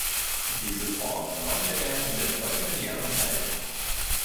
Diese Form konnte er in den folgenden Jahren halten.